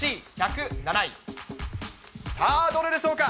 さあ、どれでしょうか。